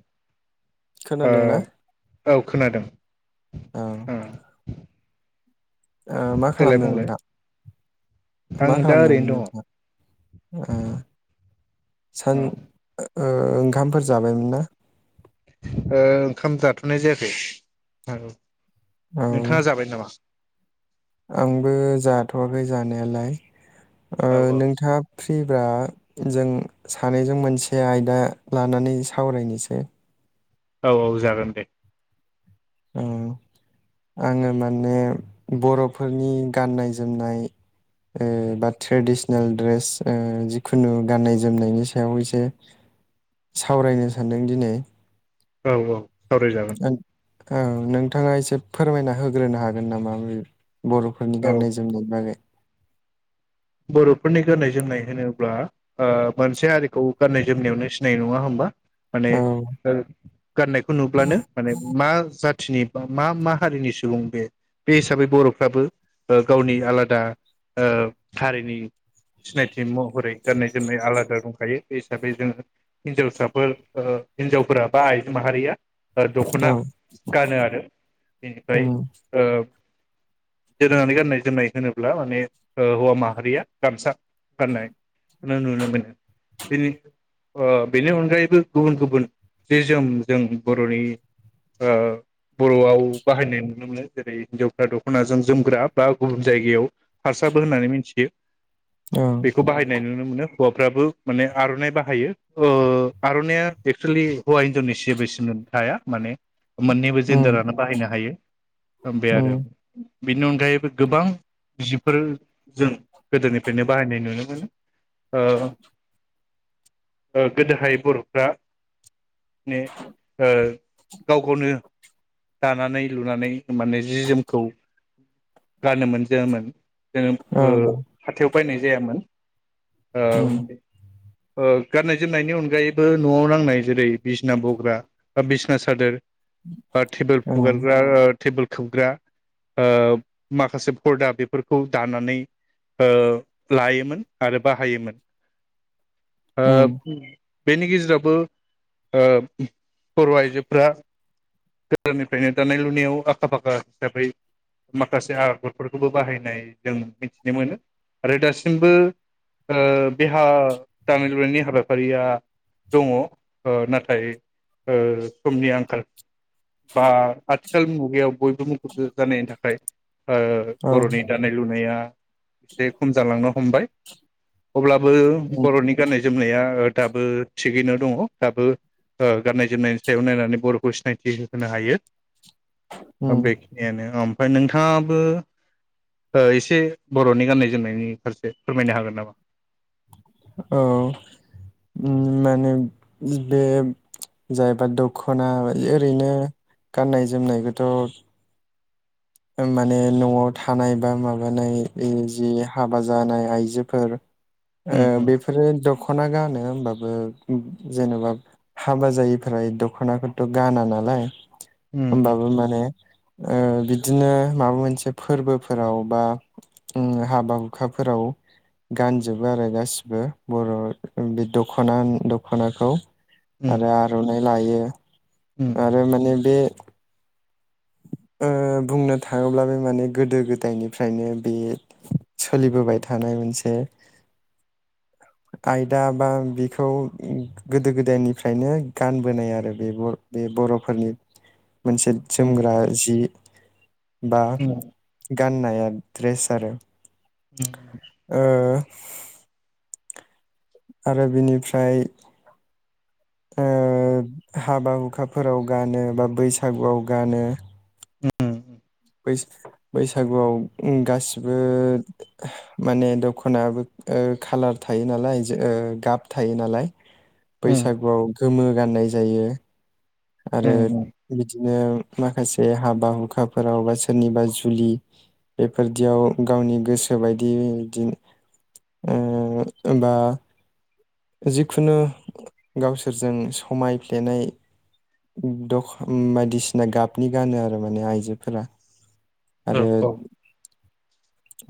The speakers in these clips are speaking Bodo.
[inaudible] ओ खोनादोंना औ खोनादों ओं आ ओ मा खालामदों नोंथां आं मा दा खालामदोंमोन ओरैनो नोंथाङा ओ सान दङ औ ओ ओंखामफोर जाबायमोन ना? ओ ओंखाम जाथ'नाय जायाखै आं। औ नोंथाङा जाबाय नामा? आंबो जाथ'वाखै जानायालाय। ओ औ नोंथाङा फ्रिबा जों सानैजों मोनसे आयदा लानानै सावरायनिसै औ औ जागोन दे उम आङो माने बर'फोरनि गाननाय जोमनाय ओ बा ट्रेडिसनेल ड्रेस ओ जिखुनु गाननाय जोमनायनि सायाव एसे सावरायनो सानदों दिनै। औ औ सावरायजागोन। नों औ नोंथाङा एसे फोरमायना होग्रोनो हागोन नामा बे बर'फोरनि औ गाननाय जोमनायनि बागै बर'फोरनि गाननाय जोमनाय होनोब्ला ओ मोनसे हारिखौ गाननाय जोमनायावनो सिनायनाय नङा होमबा माने औ ओ गाननायखौ नुब्लानो माने मा जाथ थिनि बा मा मा हारिनि सुबुं बे बे हिसाबै बर'फ्राबो ओ गावनि आलादा ओ हारिनि सिनायथि महरै गाननाय जोमनाय आलादा दंखायो बे हिसाबै जोङो हिनजावसाफोर ओ हिनजावफोरा बा आइजो माहारिया ओ औ दख'ना गानो आरो बेनिफ्राय उम ओ दोनानै गाननाय जोमनाय होनोब्ला माने ओ हौवा माहारिया गामसा गाननाय खोनो नुनो मोनो बेनि ओ बेनि अनगायैबो गुबुन गुबुन जि जोम जों बर'नि ओ बर'आव बाहायनाय नुनो मोनो जेरै हिनजावफ्रा दख'नाजों जोमग्रा बा गुबुन जायगायाव फार स्राबो होननानै मिनथियो। औ बेखौ बाहायनाय नुनो मोनो हौवाफ्राबो माने आर'नाइ बाहायो ओ आर'नाइया एक्स'लि हौवा हिनजावनि सेबो सिमोन थाया। माने मोननैबो उम जेन्डारानो बाहायनो हायो ओ बे उम आरो। बेनि अनगायैबो गोबां जिब फोर जों गोदोनिफ्रायनो बाहायनाय नुनो मोनो ओ ओ गोदोहाय बर'फ्रा ने ओ गाव गावनो दानानै लुनानै माने जि जोमखौ गानोमोन जोमोमोन। जोङो ओं ओ हाथायाव बायनाय जायामोन। उम औे गाननाय जोमनायनि अनगायैबो नयाव नांनाय जेरै बिसना बग्रा बा बिसना सादोर बा टेबोल ओं हुगारग्रा टेबोल खोबग्रा ओ माखासे परदा बेफोर खौ दानानै ओ लायोमोन आरो बाहायोमोन। ओ उम बेनि गेजेरावबो ओ बर' आइजोफ्रा गोदोनिफ्रायनो दानाय लुनायाव आखा फाखा हिसाबै माखासे आगरफोरखौबो बाहायनाय जों मिथिनो मोनो आरो दासिमबो ओ बेहा दानाय लुनायनि हाबाफारिया दङ। ओ नाथाय ओ समनि आंखाल बा आथिखाल मुगायाव बयबो मुखुब जानायनि थाखाय ओ औ बर'नि दानाय लुनाया एसे खम जालांनो हमबाय। अब्ला बो उम बर'नि गाननाय जोमनाया दाबो थिगैनो दङ दाबो ओ गाननाय जोमनायनि सायाव नायनानै बर'खौ सिनायथि होनो हायो। ओ उम बेखिनियानो उम नोंथाङाबो ओ एसे बर'नि गाननाय जोमनायनि फारसे फोरमायनो हागोन नामा? औ उम माने बे जाहबा दखना ओरैनो गाननाय जोमनायखोथ ओ माने नयाव थानाय बा माबानाय जि हाबा जानाय आइजोफोर ओ उम उम बेफोरो दख दखना गानो होमबाबो जेनबा हाबा जायिफ्रा दखनाखौथ गाना नालाय। उम होमबाबो माने ओ बिदि बिदिनो माबा मोनसे फोरबोफोराव बा उम हाबा हुखाफोराव गानजोबो आरो गासिबो बर' बे दखना दखनाखौ। उम आरो आर'नाइ लायो। उम आरो माने बे ओ बुंनो थाङोब्ला बे माने गोदो गोदायनिफ्रायनो बे सोलिबोबाय थानाय मोनसे आयदा बा बेखौ गोदो गोदायनिफ्रायनो गानबोनाय आरो बे ब बे बर'फोरनि मोनसे उम जोमग्रा जि बा उम गाननाया ड्रेस आरो उम ओ आरो बिनिफ्राय ओ हाबा हुखाफोराव गानो बा बैसागुआव गानो। उम बैस-बैसागुआव गासिबो माने दखनाबो खालार थायो नालाय जो ओ गाब थायो नालाय। उम बैसागुआव गोमो गाननाय जायो। आरो उम उम बिदिनो माखासे हाबा हुखाफोराव बा सोरनिबा जुलि बेफोरदियाव गावनि गोसो बायदि बिदिनो ओ बा जिखुनु गावसोरजों समायफ्लेनाय दख बायदिसिना गाबनि गानो आरो माने आइजोफोरा। औ आरो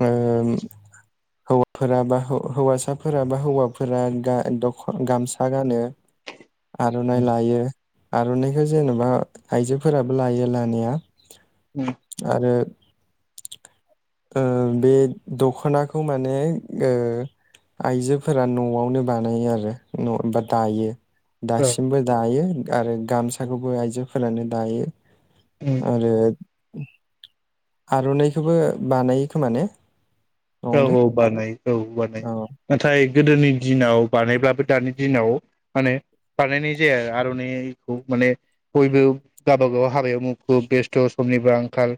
ओ हौवाफोरा बा हौवासाफोरा बा हौवाफोरा दा दख गामसा गानो आर'नाइ उम लायो आर'नाइखौ जेन'बा आइजोफोराबो लायो लानाया आरो ओ बे दख'नाखौ माने ओ आइजोफोरा न'आवनो बानायो आरो न' एबा दायो औ दासिमबो दायो आरो गामसाखौबो आइजोफोरानो दायो उम आरोे आर'नाइखौबो बानायो खोमा ने औ न'आवनो औ बानायो औ बानायो औ नाथाय गोदोनि दिनाव बानायब्लाबो दानि दिनाव माने बानायनाय जाया आर'नाइखौ माने बयबो गावबा गाव हाबायाव मुखुब बेस्थ' समनिबो आंखाल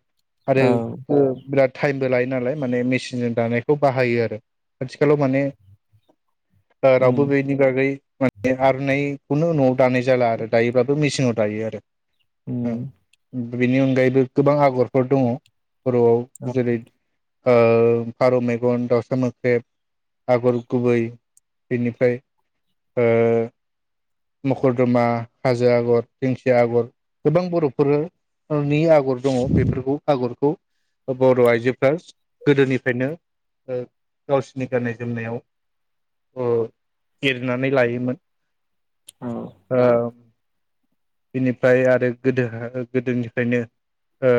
आरो औ ओ बिराद थाइमबो लायो नालाय माने मेसिनजों दानायखौ बाहायो आरो आथिखालाव माने ओ रावबो उम बेनि बागै माने आर'नाइखौनो न'आव दानाय जाला आरो दायोब्लाबो मेसिनाव दायो आरो उम बेनि अनगायैबो गोबां आगरफोर दङ बर'आव औ जेरै ओ फारौ मेगन दाउसा मोख्रेब आगर गुबै बेनिफ्राय ओ मखरदमा हाजो आगर दिंखिया आगर गोबां बर'फोरनि आगर दङ बेफोरखौ आगरखौ अ बर' आइजोफ्रा गोदोनि फ्रायनो ओ गावसोरनि गाननाय जोमनायाव ओ एरनानै लायोमोन औ औ बेनिफ्राय आरो गोदो गोदोनिफ्रायनो ओ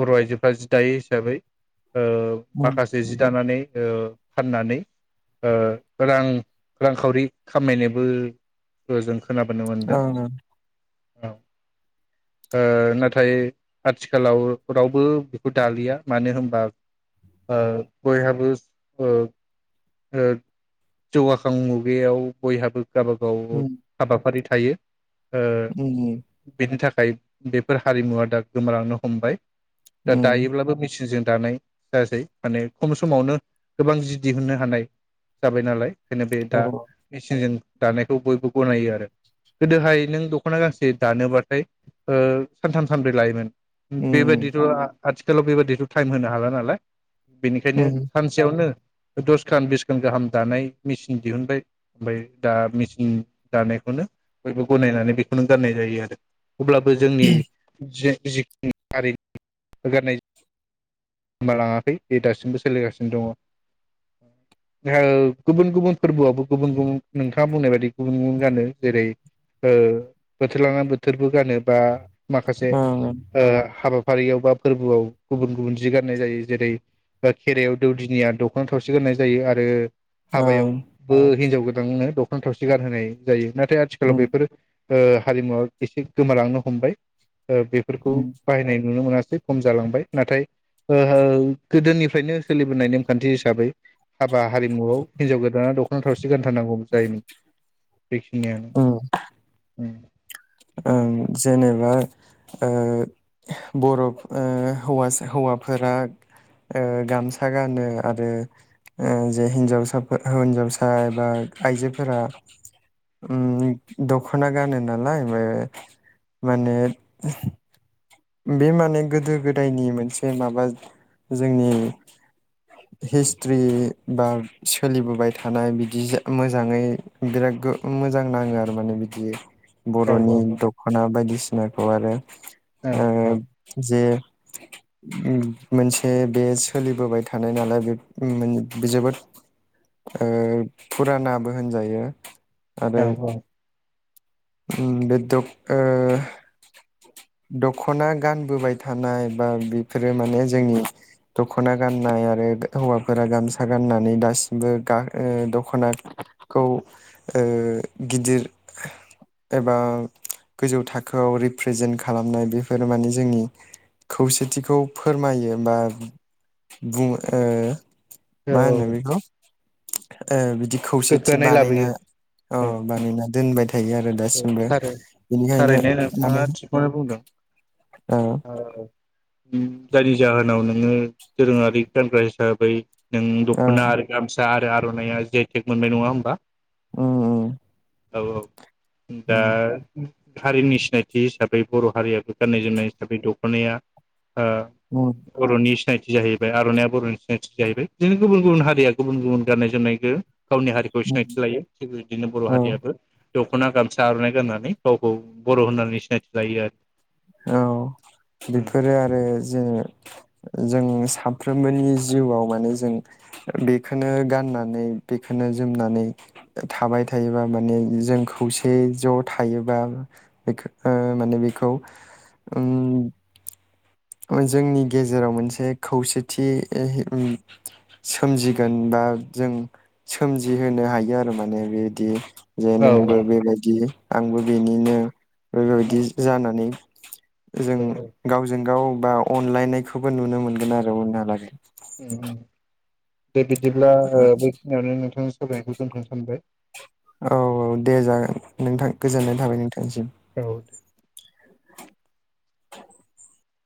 बर' आइजोफ्रा जि दायो हिसाबै ओ उम माखासे जि दानानै ओ फाननानै ओ रां रांखावरि खामायनोबो जों खोनाबोनो ओं मोनदों औ ओ नाथाय आथिखालाव रावबो बेखौ दालिया मानो होन बा ओ बयहाबो ओ ओ जौगाखां मुगायाव बयहाबो गावबा गाव उम हाबाफारि थायो उम थाय बेफोर हारिमुवा दा गोमा लांनो हमबाय। दा उम दायोब्लाबो मिस [unintelligible] दानाय जासै माने खम समावनो गोबां जि दिहुननो हानाय जाबाय नालाय। खोनो बे औ दा मिचिनजों दानायखौ बयबो गनायो आरो गोदोहाय नों दख'ना गांसे दानोबाथाय ओ सानथाम सानब्रै लायोमोन। उम बेबायदिथ'आ आथिखालाव बेबादिथ' टाइम होनो हाला नालाय बेनिखायनो उम सानसेयावनो दसखान बिसखान गाहाम दानाय मिचिन दिहुनबाय ओमफाय दा मिचिन दानायखौनो बयबो गनायनानै बेखौनो गाननाय जायो आरो। अब्लाबो जोंनि जि [inaudible] गोमा लाङाखै बे दासिमबो सोलिगासिनो दङ। जओ गुबुन गुबुन फोरबोआवबो गुबुन गुबुन नोंथाङा बुंनाय बायदि गुबुन गुबुन गानो जेरै ओ बोथोर लांना बोथोरबो गानो बा माखासे ओं ओं ओ हाबा फारियाव बा फोरबोआव गुबुन गुबुन जि गान्नाय जायो जेरै दा खेराइ आव दौदिनिया दख'ना थावसि गाननाय जायो आरो ओं हाबायावबो हिनजाव गोद दोंनो दख'ना थावसि गान होनाय जायो नाथ थाय आथिखालाव उम बेफोरो ओ हारिमुवा एसे गोमालांनो हमबाय‌। ओ बेफोरखौ उम बाहायनाय नुनो मोना से खम जालांबाय। नाथाय ओहो गोदोनिफ्रायनो सोलिबोनाय नेमखान्थि हिसाबै हाबा हारिमुआव हिनजाव गोदाना दख'ना थावस सि गानथारनांगौ जायोमोन। बेखिनि आनो। ओं उम ओं जेने बाय ओ बर' ओ हौवासा हौवाफोरा ओ गामसा गानो ओ आरो जे हिनजावसाफो होनजावसा एबा आइजोफोरा उम दख'ना गानो नालाय बाय माने बे माने गोदो गोदायनि मोनसे माबा जोंनि हिस्ट्रि बा सोलिबोबाय थानाय बिदिज मोजाङै बिराद गो मोजां नाङो आरो माने बिदियै औ बर'नि औ दख'ना बायदिसि नायखौ आरो औ औ ओं जे मोनसे बे सोलिबोबाय थानाय नालाय बे जोबोद ओ फुरानाबो होनजायो। आरो औ औ उम बे दख ओ दखना गानबोबाय थानाय बा बेफोरो माने जोंनि दखना गाननाय आरो हौवाफोरा गामसा गाननानै दासिमबो गा ओ दखनाखौ ओ गिदिर एबा गोजौ थाखोआव रिप्रेजेन्ट खालामनाय बेफोरो माने जोंनि खौसेथिखौ फोरमायो बा बुं ओ मा होनो औ बेखौ? ओ बिदि खौसेथि गोग्गानाय बानायना लाबोयो औ बानायना दोनबाय। थायो। आरो दासिमबो थार बेनिखायनो थारैनो माने नोंथाङा थिगखौनो बुंदों। औ जायनि जाहोनाव नोङो दोरोङारि गानग्रा हिसाबै नों औ दखना आरो गामसा आरो आर'नाइया जि आइ थेक मोनबाय नङा होमबा? उम उम औ औ औ दा हारिनि सिनायथि हिसाबै बर' हारियाबो गाननाय जोमनाय हिसाबै दखनाया उम ओ बर'नि सिनाय थि जाहैबाय आर'नाइया बर'नि सिनायथि जाहैबाय। बिदिनो गुबुन गुबुन हारिया गुबुन गुबुन गाननाय जोमनायखो गावनि हारिखौ उम सिनायथि लायो। थिग बिदिनो बर' औ हारियाबो दखना गामसा आरनाइ गाननानै गावखौ बर' होननानै सिनायथि लायो आरो। औ बेफोरो आरो जोङो जों साफ्रोमबोनि जिउआव माने जों बेखौनो गाननानै बेखौनो जोमनानै थाबाय थायोबा माने जों खौसे ज थायोबा बेखौ माने बेखौ उम जोंनि गेजेराव मोनसे खौसेथि हे उम सोमजिगोन बा जों सोमजिहोनो हायो आरो माने बेदि जे औ नोंबो बेबायदि आंबो बेनिनो बे औ बायदि जानानै जों औ गावजों गाव बा अनलायनायखौबो नुनो मोनगोन आरो उनहालागै। उम दे बिदिब्ला बेखिनियावनो नोंथां सावरायनायखौ दोन्थनो सानबाय। औ औ दे जागोन नोंथां गोजोननाय थाबाय नोंथांसिम औ दे।